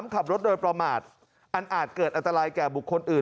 ขับรถโดยประมาทอันอาจเกิดอันตรายแก่บุคคลอื่น